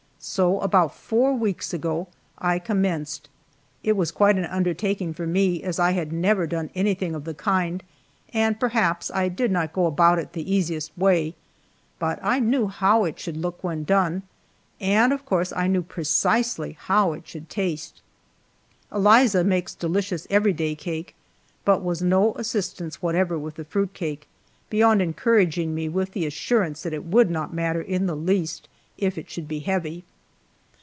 So, about four weeks ago, I commenced. It was quite an undertaking for me, as I had never done anything of the kind, and perhaps I did not go about it the easiest way, but I knew how it should look when done, and of course I knew precisely how it should taste. Eliza makes delicious every day cake, but was no assistance whatever with the fruit cake, beyond encouraging me with the assurance that it would not matter in the least if it should be heavy.